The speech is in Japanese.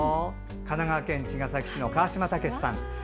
神奈川県茅ヶ崎市の川島武司さん。